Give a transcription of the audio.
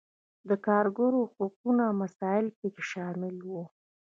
د کارګرو حقونو مسایل پکې شامل وو.